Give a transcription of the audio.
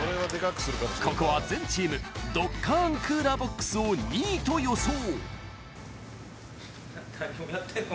ここは全チームどっかんクーラーボックスを２位と予想